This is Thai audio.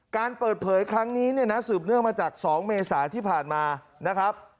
การเปิดเผยครั้งนี้เนี่ยนะสืบเนื่องมาจาก๒เมษาที่ผ่านมานะครับ